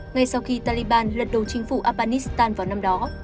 ngay sau khi taliban lật đổ chính phủ afghanistan vào năm đó